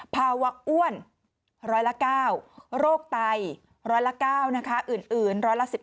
ภาวะอ้วน๑๐๙โรคไต๑๐๙อื่น๑๑๕